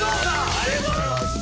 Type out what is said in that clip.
ありがとうございます！